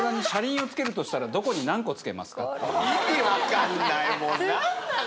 意味分かんない何なの？